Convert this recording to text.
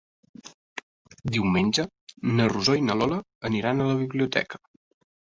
Diumenge na Rosó i na Lola aniran a la biblioteca.